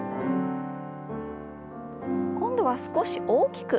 今度は少し大きく。